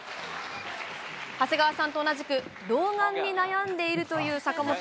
長谷川さんと同じく、老眼に悩んでいるという坂本。